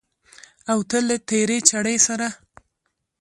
او ته له تېرې چړې سره